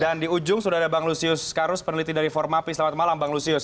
dan di ujung sudah ada bang lusius karus peneliti dari formapi selamat malam bang lusius